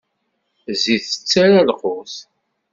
Zzit tettara lqut.